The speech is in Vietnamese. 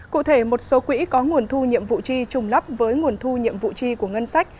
cụ thể một số quỹ có nguồn thu nhiệm vụ chi trùng lắp với nguồn thu nhiệm vụ chi của ngân sách